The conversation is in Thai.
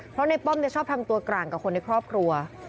เพราะในป้อมชอบทำตัวกลางกับคนในครอบครัว